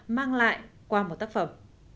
mang lại qua một tác phẩm